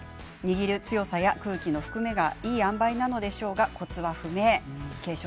握る強さや、空気の含めがいいあんばいなんでしょうがコツは不明。